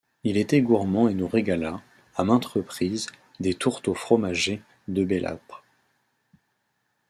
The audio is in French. Il était gourmand et nous régala, à maintes reprises, des tourteaux fromagés de Bélâbre.